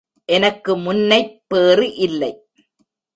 எனக்கு முன்னைப் பேறு இல்லை.